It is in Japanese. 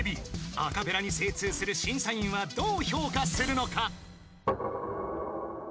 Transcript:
アカペラに精通する審査員はどう評価するのか？］